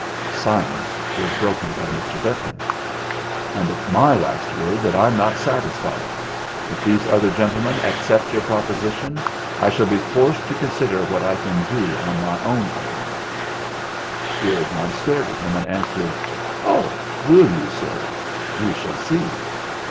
The silence was broken by Mr. Ventnor. "And it's my last word that I'm not satisfied. If these other gentlemen accept your proposition I shall be forced to consider what I can do on my own account." The old man stared at him, and answered: "Oh! you will, sir; we shall see."